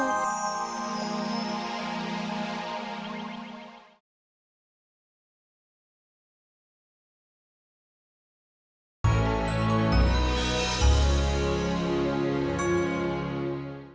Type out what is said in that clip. tidak ada yang mau main